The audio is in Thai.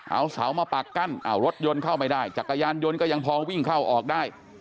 เอาเสามาปากกั้นเอารถยนต์เข้าไม่ได้จักรยานยนต์ก็ยังพอวิ่งเข้าออกได้